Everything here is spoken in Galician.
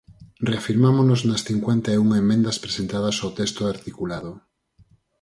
Reafirmámonos nas cincuenta e unha emendas presentadas ao texto articulado.